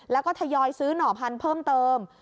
แล้วก็ทยอยซื้อหน่อพันธุ์เพิ่มเติม